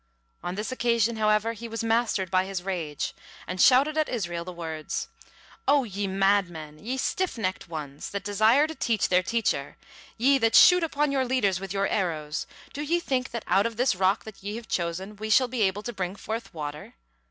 On this occasion, however, he was mastered by his rage, and shouted at Israel the words: "O ye madmen, ye stiffnecked ones, that desire to teach their teacher, ye that shoot upon your leaders with your arrows, do ye think that out of this rock that ye have chosen, we shall be able to bring forth water?